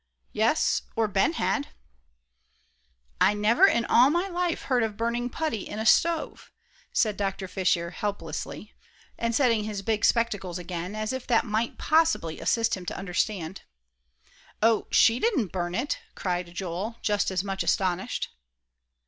"Yes, or Ben had." "I never in all my life heard of burning putty in a stove," said Dr. Fisher, helplessly, and setting his big spectacles again, as if that might possibly assist him to understand. "Oh, she didn't burn it," cried Joel, just as much astonished.